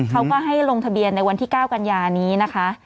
เขาก็ให้ลงทะเบียนในวันที่๙กันยานี้นะคะ